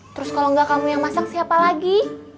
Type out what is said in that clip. terus kalau nggak kamu yang masak siapa lagi